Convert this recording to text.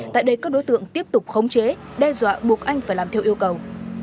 tại đây các đối tượng tiếp tục khống chế đe dọa buộc anh phải làm theo yêu cầu